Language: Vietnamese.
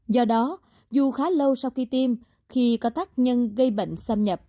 do đó dù khá lâu sau khi tiêm khi có tác nhân gây bệnh